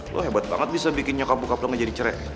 lo hebat banget bisa bikin nyokap bokap lo jadi cerai